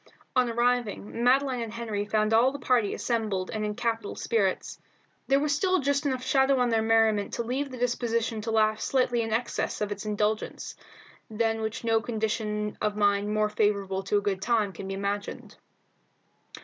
On arriving, Madeline and Henry found all the party assembled and in capital spirits; There was still just enough shadow on their merriment to leave the disposition to laugh slightly in excess of its indulgence, than which no condition of mind more favourable to a good time can be imagined.